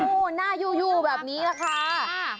หูหน้ายูแบบนี้แหละค่ะ